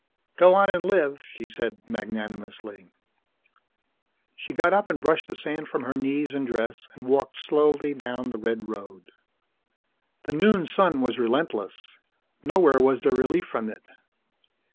"Go on an' live," she said magnanimously. She got up and brushed the sand from her knees and dress, and walked slowly down the red road. The noon sun was relentless; nowhere was there relief from it.